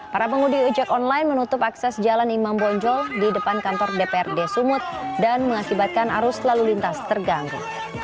para pengemudi ojek online menutup akses jalan imam bonjol di depan kantor dprd sumut dan mengakibatkan arus lalu lintas terganggu